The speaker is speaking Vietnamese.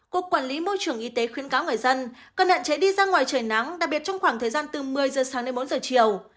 cục quản lý môi trường y tế khuyến cáo người dân cần hạn chế đi ra ngoài trời nắng đặc biệt trong khoảng thời gian từ một mươi giờ sáng đến bốn giờ chiều